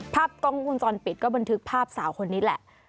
ภาพกล้องพูกคุณจอดปิดก็บันทึกภาพสาวคนนี้และ